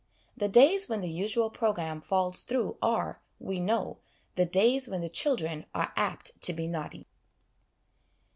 The days when the usual programme falls through are, we know, the days when the children are apt to be naughty.